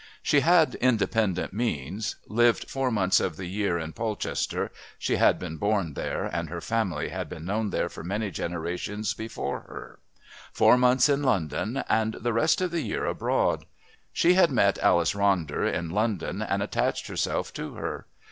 She had independent means, lived four months of the year in Polchester (she had been born there and her family had been known there for many generations before her), four months in London, and the rest of the year abroad. She had met Alice Ronder in London and attached herself to her.